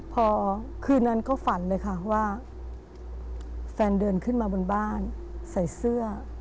พอคืนนั้นก็ฝันเลยค่ะว่าแฟนเดินขึ้นมาบนบ้านใส่เสื้อ